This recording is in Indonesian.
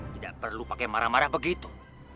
tidak perlu pakai marah marah begitu